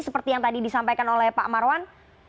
seperti yang tadi disampaikan oleh pak marwan